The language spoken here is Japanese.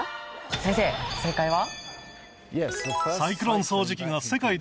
先生正解は？